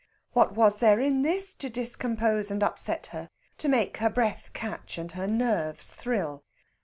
What was there in this to discompose and upset her, to make her breath catch and her nerves thrill?